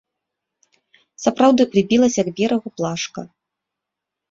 Сапраўды прыбілася к берагу плашка.